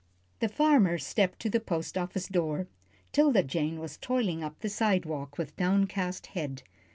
The farmer stepped to the post office door. 'Tilda Jane was toiling up the sidewalk with downcast head.